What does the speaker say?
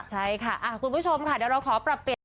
ใช่ค่ะคุณผู้ชมค่ะเดี๋ยวเราขอปรับเปลี่ยน